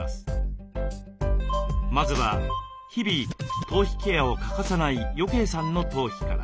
まずは日々頭皮ケアを欠かさない余慶さんの頭皮から。